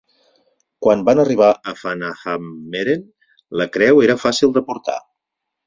Quan van arribar a Fanahammeren, la creu era fàcil de portar.